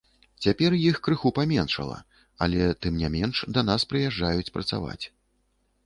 Цяпер іх крыху паменшала, але тым не менш да нас прыязджаюць працаваць.